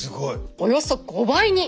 およそ５倍に。